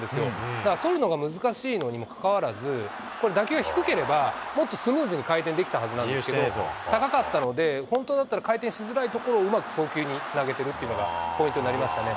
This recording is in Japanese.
だから捕るのが難しいのにもかかわらず、これ、打球が低ければ、もっとスムーズに回転できたはずなんですけど、高かったので、本当だったら回転しづらいところを、うまく送球につなげてるっていうのが、ポイントになりましたね。